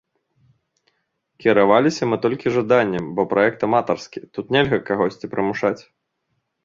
Кіраваліся мы толькі жаданнем, бо праект аматарскі, тут нельга кагосьці прымушаць.